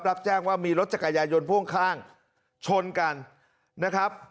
รับแจ้งว่ามีรถจักรยายนพ่วงข้างชนกันนะครับ